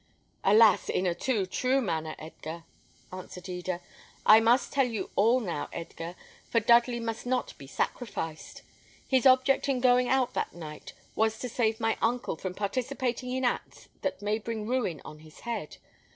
"Alas! in too true a manner, Edgar," answered Eda. "I must tell you all now, Edgar, for Dudley must not be sacrificed. His object in going out that night, was to save my uncle from participating in acts that may bring ruin on his head.